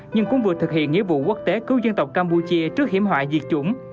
nhưng cũng vừa thực hiện nghĩa vụ quốc tế cứu dân tộc campuchia trước hiểm họa diệt chủng